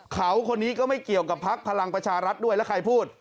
เขาคนนี้ก็ไม่เกี่ยวกับพักพลังประชารัฐด้วยแล้วใครพูด